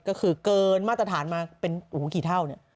ก็คือเกินมาตรฐานมาเป็นโอ้โหกี่เท่าเนี่ย